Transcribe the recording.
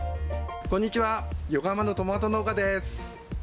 こんにちは、横浜のトマト農家です。